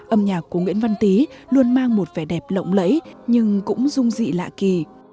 âm nhạc của nguyễn văn tý luôn mang một vẻ đẹp lộng lẫy nhưng cũng rung dị lạ kỳ